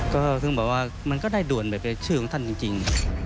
ก็ถึงบอกว่ามันก็ได้ด่วนแบบในชื่อของท่านจริง